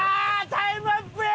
タイムアップや！